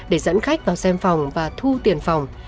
để dẫn khách vào xem phòng và thu tiền phòng